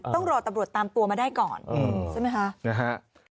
ต้องรอตำรวจตามตัวมาได้ก่อนใช่ไหมคะนะฮะ